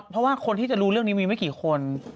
เพราะว่าคนที่จะรู้เรื่องนี้มีไม่กี่คน